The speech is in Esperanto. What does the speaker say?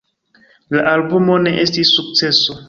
La albumo ne estis sukceso.